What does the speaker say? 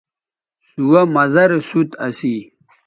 سوہ مزہ رے سوت اسی